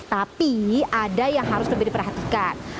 tapi ada yang harus lebih diperhatikan